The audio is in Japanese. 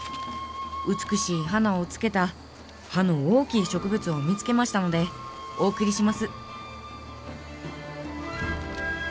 美しい花をつけた葉の大きい植物を見つけましたのでお送りします」。